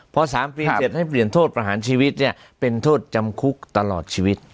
พอ๓ปีเสร็จให้เปลี่ยนโทษประหารชีวิตเนี่ยเป็นโทษจำคุกตลอดชีวิต